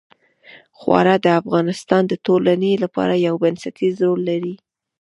خاوره د افغانستان د ټولنې لپاره یو بنسټيز رول لري.